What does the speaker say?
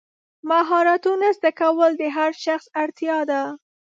مهارتونه زده کول د هر شخص اړتیا ده.